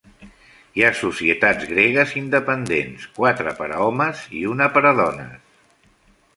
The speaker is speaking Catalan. Hi ha societats gregues independents, quatre per a homes i una per a dones.